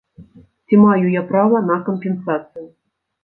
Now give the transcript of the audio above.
Ці маю я права на кампенсацыю?